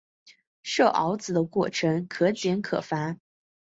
设鏊子的过程可简可繁。